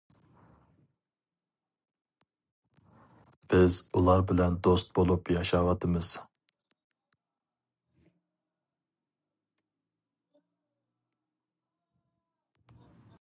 بىز ئۇلار بىلەن دوست بولۇپ ياشاۋاتىمىز.